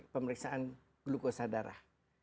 pemeriksaan glukosa darah